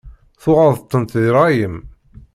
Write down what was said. Tuɣeḍ-tent di rray-im.